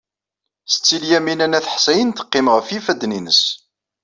Setti Lyamina n At Ḥsayen teqqim ɣef yifadden-nnes.